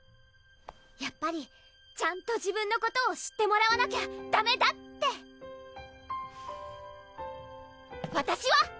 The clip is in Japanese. やっぱりちゃんと自分のことを知ってもらわなきゃダメだってわたしは！